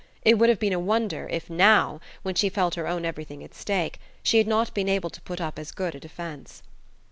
It would have been a wonder if now, when she felt her own everything at stake, she had not been able to put up as good a defence.